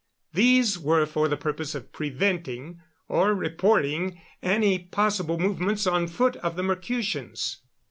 These were for the purpose of preventing, or reporting, any possible movements on foot of the Mercutians.